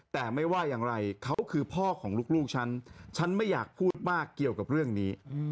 แต่ไม่ว่าอย่างไรเขาคือพ่อของลูกฉันฉันไม่อยากพูดมากเกี่ยวกับเรื่องนี้